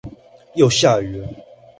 又下雨了！